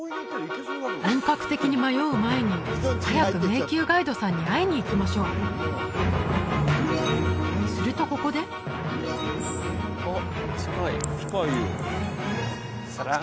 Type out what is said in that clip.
本格的に迷う前に早く迷宮ガイドさんに会いに行きましょうするとここでえっ？